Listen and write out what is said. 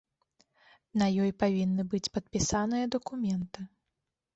На ёй павінны быць падпісаныя дакументы.